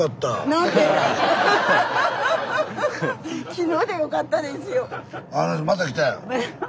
昨日でよかったですよ。